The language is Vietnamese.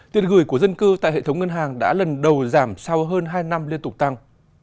tiền gửi của dân cư tại hệ thống ngân hàng đã lần đầu giảm sau hơn hai năm liên tục tăng